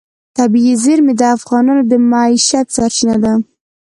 طبیعي زیرمې د افغانانو د معیشت سرچینه ده.